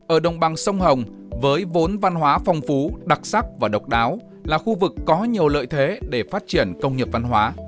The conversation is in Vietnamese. ở đồng bằng sông hồng với vốn văn hóa phong phú đặc sắc và độc đáo là khu vực có nhiều lợi thế để phát triển công nghiệp văn hóa